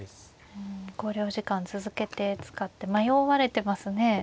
うん考慮時間続けて使って迷われてますね。